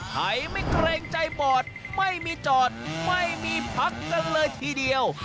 ใครไม่เกรงใจบอดไม่มีจอดไม่มีพักกันเลยทีเดียว